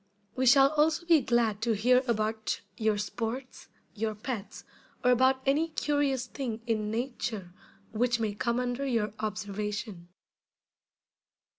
We shall also be glad to hear about your sports, your pets, or about any curious thing in nature which may come under your observation.